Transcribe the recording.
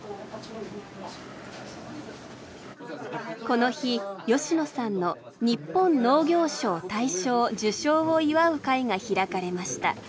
この日吉野さんの日本農業賞大賞受賞を祝う会が開かれました。